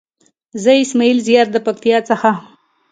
زه اسماعيل زيار د پکتيا څخه.